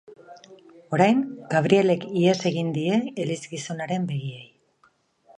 Orain, Gabriellek ihes egin die elizgizonaren begiei.